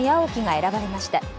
選ばれました。